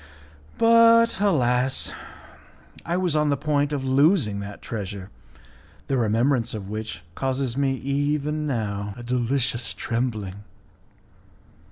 But, alas! I was on the point of losing that treasure, the remembrance of which causes me, even now, a delicious trembling.